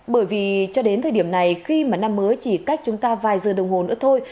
bởi vì cho đến thời điểm này khi mà năm mới chỉ cách chúng ta vài giờ đồng hồ nữa thôi